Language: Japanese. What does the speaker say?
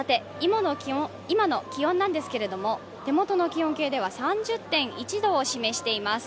今の気温なんですけど手元の気温計では３０．１度を示しています。